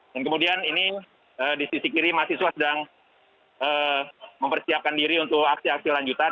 dan kemudian ini di sisi kiri mahasiswa sedang mempersiapkan diri untuk aksi aksi lanjutan